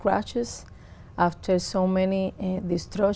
chủ tịch giám đốc